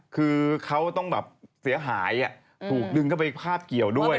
เขาต้องเสียหายถูกดึงเข้าไปภาพเกี่ยวด้วย